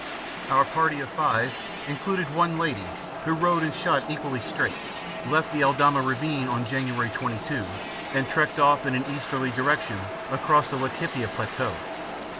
Our party of five, including one lady who rode and shot equally straight, left the Eldama Ravine on January 22, and trekked off in an easterly direction across the Laikipia Plateau.